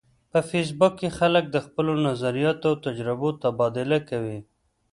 په فېسبوک کې خلک د خپلو نظریاتو او تجربو تبادله کوي